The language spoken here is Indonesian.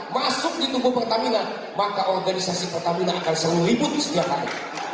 masuk di tubuh pertamina maka organisasi pertamina akan selalu ribut setiap hari